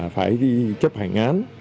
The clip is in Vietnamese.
phải ghi chấp hành án